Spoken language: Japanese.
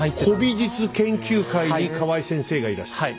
古美術研究会に河合先生がいらした。